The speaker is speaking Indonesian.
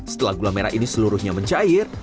setelah gula merah ini seluruhnya mencair